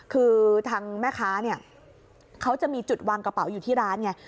คือทางแม่ค้าเนี่ยเขาจะมีจุดวางกระเป๋าอยู่ที่ร้านไง